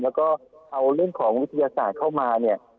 แล้วก็เอาเรื่องของวิทยาศาสตร์เข้ามาเนี่ย